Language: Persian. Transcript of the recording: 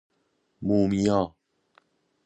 مومیا